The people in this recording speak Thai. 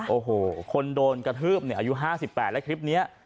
โอ้โหคนโดนกระทืบอายุ๕๘และคลิปนี้